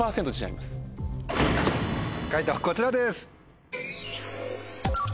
解答はこちらです。